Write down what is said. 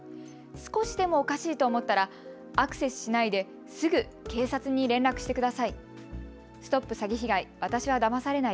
少しでもおかしいと思ったらアクセスしないで、すぐ警察に連絡してください。